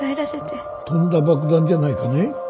とんだ爆弾じゃないかね？